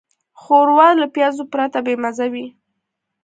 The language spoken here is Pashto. ښوروا له پیازو پرته بېمزه وي.